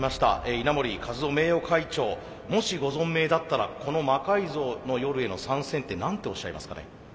稲盛和夫名誉会長もしご存命だったらこの「魔改造の夜」への参戦って何ておっしゃいますかね。